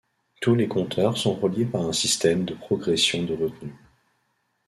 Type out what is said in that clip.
Tous les compteurs sont reliés par un système de progression de retenue.